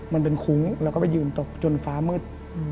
มันเป็นคุ้งแล้วก็ไปยืนตกจนฟ้ามืด